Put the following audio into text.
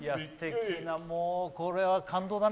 これは感動だね。